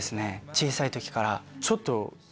小さい時から。